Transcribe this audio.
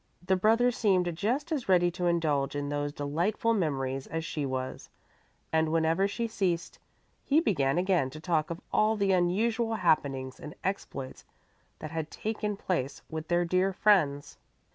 The brother seemed just as ready to indulge in those delightful memories as she was, and whenever she ceased, he began again to talk of all the unusual happenings and exploits that had taken place with their dear friends.